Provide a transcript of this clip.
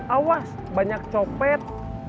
awas banyak copet